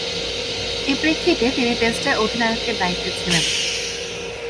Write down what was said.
এ প্রেক্ষিতে তিনি টেস্টে অধিনায়কের দায়িত্বে ছিলেন।